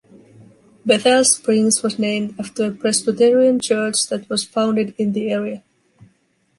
Bethel Springs was named after a Presbyterian church that was founded in the area.